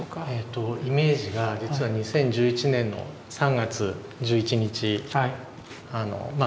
イメージが実は２０１１年の３月１１日まあ